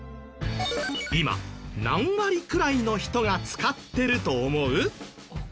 今何割くらいの人が使ってると思う？